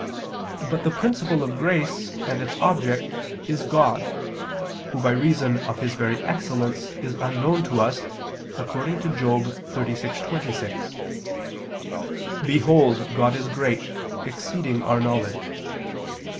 But the principle of grace and its object is God, Who by reason of His very excellence is unknown to us, according to Job 36:26: "Behold God is great, exceeding our knowledge."